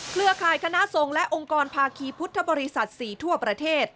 เครือข่ายคณะทรงและองค์กรภาคีพุทธบริษัท๔ทั่วประเทศ